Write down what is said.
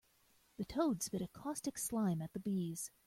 The toad spit a caustic slime at the bees.